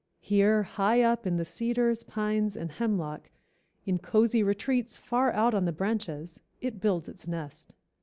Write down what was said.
Here, high up in the cedars, pines and hemlock in cozy retreats far out on the branches it builds its nest.